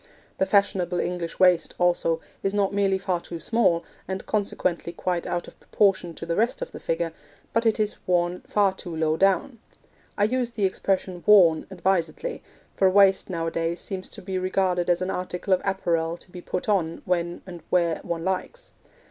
The fashionable English waist, also, is not merely far too small, and consequently quite out of proportion to the rest of the figure, but it is worn far too low down. I use the expression 'worn' advisedly, for a waist nowadays seems to be regarded as an article of apparel to be put on when and where one likes.